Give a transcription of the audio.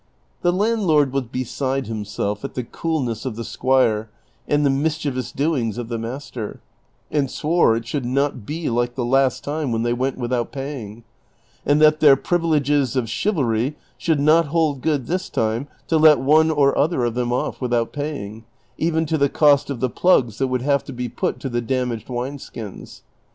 The landlord was beside himself at the coolness of the squire and the mischievous doings of the master, and swore it should not be like the last time when they went without paying ; and that their privileges of chivalry should not hold gootl this time to let one or other of them off without paying, even to the cost of the plugs that would have to be put to the damaged wine skins.